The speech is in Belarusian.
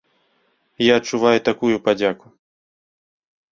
Я адчуваю такую падзяку.